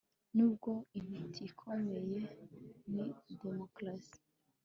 Nubwo intiti ikomeye ni demokarasi